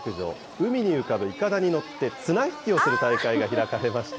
海に浮かぶいかだに乗って、綱引きをする大会が開かれました。